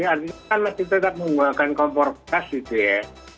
artinya kan masih tetap menggunakan kompor gas gitu ya